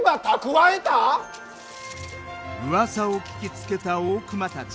うわさを聞きつけた大隈たち。